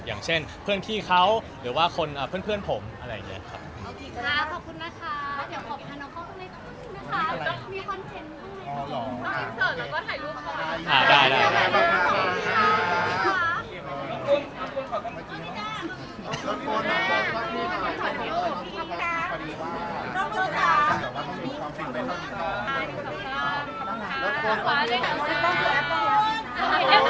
อย่างเช่นเพื่อนพี่เขาหรือว่าคนเพื่อนผมอะไรอย่างนี้ครับ